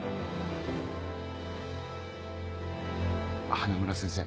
花村先生